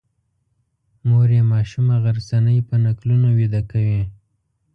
مور یې ماشومه غرڅنۍ په نکلونو ویده کوي.